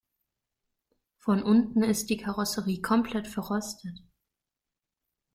Von unten ist die Karosserie komplett verrostet.